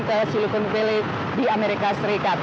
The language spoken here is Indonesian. atau silukun pilih di amerika serikat